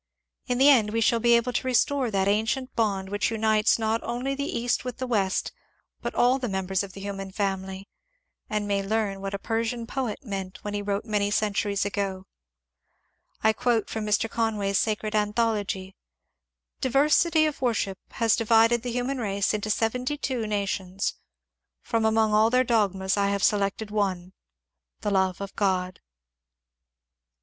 In the end we shall be able to restore that an cient bond which unites not only the East with the West, but all the members of the human family, and may learn what a Persian poet meant when he wrote many centuries ago, — I quote from Mr. Conway's " Sacred Anthology" —" Diversity of worship has divided the human race into seventy two na tions. From among all their dogmas I have selected one — the love of God."